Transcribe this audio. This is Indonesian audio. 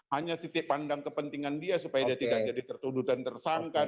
hanya titik pandang kepentingan dia supaya dia tidak jadi tertuduh dan tersangka